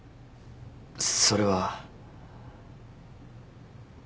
それは。